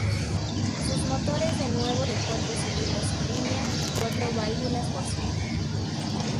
Sus motores de nuevo de cuatro cilindros en línea y cuatro válvulas por cilindro.